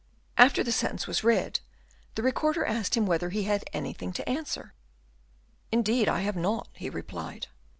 After the sentence was read, the Recorder asked him whether he had anything to answer. "Indeed, I have not," he replied.